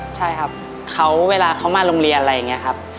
ใช่ครับเขาเวลาเขามาโรงเรียนอะไรอย่างนี้ครับ